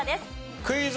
クイズ。